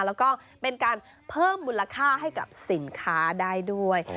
แล้วก็เป็นการเพิ่มมูลค่าให้กับสินค้าได้ด้วย